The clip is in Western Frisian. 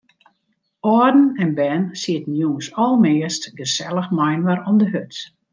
Alden en bern sieten jûns almeast gesellich mei-inoar om de hurd.